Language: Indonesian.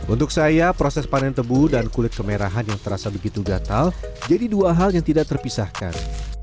untuk saya proses panen tebu dan kulit kemerahan yang terasa begitu gatal jadi dua hal yang tidak terpisahkan